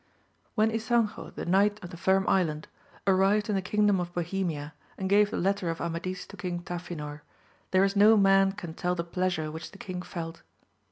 HEN Ysanjo the Knight of the Firm Island arrived in the kingdom of Bohemia and gave the letter of Amadis to King Tafinor, there is no man can tell the pleasure which the king felt.